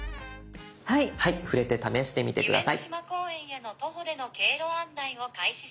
触れて試してみて下さい。